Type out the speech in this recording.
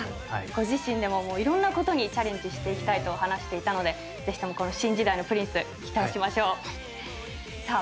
ご自身でもいろんなことにチャレンジしていきたいと話していたのでぜひともこの新時代のプリンス期待しましょう。